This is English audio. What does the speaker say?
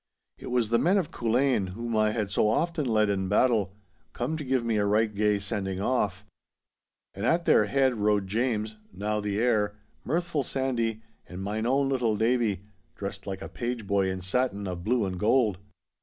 It was the men of Culzean, whom I had so often led in battle, come to give me a right gay sending off. And at their head rode James (now the heir), mirthful Sandy, and mine own little Davie, dressed like a page boy in satin of blue and gold.